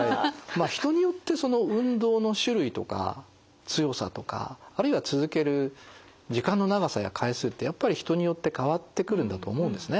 まあ人によってその運動の種類とか強さとかあるいは続ける時間の長さや回数ってやっぱり人によって変わってくるんだと思うんですね。